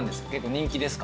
人気ですか？